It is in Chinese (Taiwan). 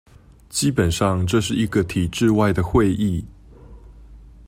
基本上這是一個體制外的會議